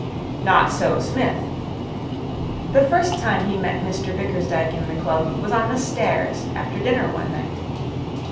Not so Psmith. The first time he met Mr Bickersdyke in the club was on the stairs after dinner one night.